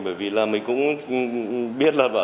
bởi vì là mình cũng biết là